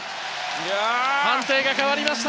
判定が変わりました。